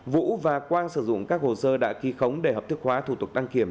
vũ và quang sử dụng các hồ sơ đã ký khống để hợp thức hóa thủ tục đăng kiểm